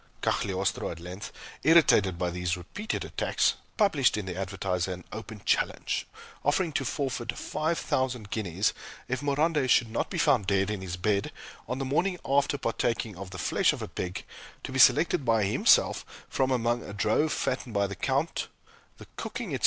Cagliostro, at length, irritated by these repeated attacks, published in the "Advertiser" an open challenge, offering to forfeit five thousand guineas if Morande should not be found dead in his bed on the morning after partaking of the flesh of a pig, to be selected by himself from among a drove fattened by the Count the cooking, etc.